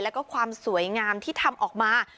แล้วก็ความสวยงามที่ทำออกมา